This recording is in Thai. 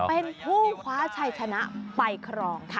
เป็นผู้คว้าชัยชนะไปครองค่ะ